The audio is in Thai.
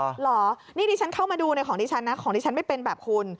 เหรอนี่ดิฉันเข้ามาดูในของดิฉันนะของดิฉันไม่เป็นแบบคุณ